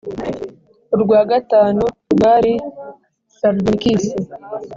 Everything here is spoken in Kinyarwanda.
urwa gatanu rwari sarudonikisi,